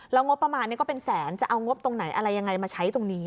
งบประมาณก็เป็นแสนจะเอางบตรงไหนอะไรยังไงมาใช้ตรงนี้